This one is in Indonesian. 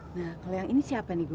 nah kalau yang ini siapa nih bu